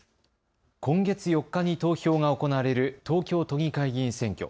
今月４日に投票が行われる東京都議会議員選挙。